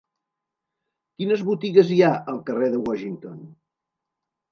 Quines botigues hi ha al carrer de Washington?